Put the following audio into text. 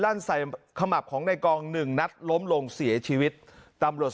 ลั่นใส่ขมับของในกองหนึ่งนัดล้มลงเสียชีวิตตำรวจ